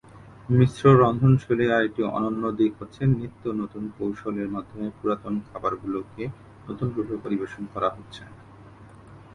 মিশ্র রন্ধনশৈলীর আরেকটি অনন্য দিক হচ্ছে নিত্য নতুন কৌশলের মাধ্যমে পুরাতন খাবার গুলোকে নতুন রূপে পরিবেশন করা হচ্ছে।